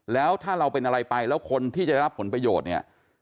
แล้วถ้าเราเป็นอะไรไปแล้วคนที่จะได้รับผลประโยชน์เนี่ย